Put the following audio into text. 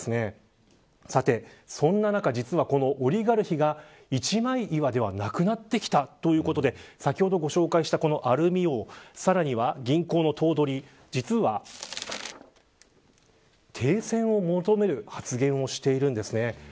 そんな中、実はこのオリガルヒが一枚岩ではなくなってきたということで先ほどご紹介したアルミ王銀行の頭取実は、停戦を求める発言をしているんです。